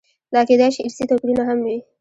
دا کېدای شي ارثي توپیرونه هم وي.